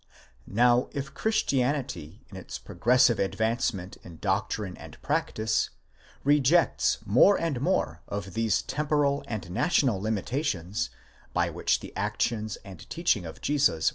Now if Christianity in its progressive advancement in doctrine and practice, rejects more and more of those temporal and national limitations by which the actions and teaching of Jesus.